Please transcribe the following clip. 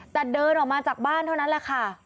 แต่เดินออกมาจากบ้านเท่านั้นแหละค่ะ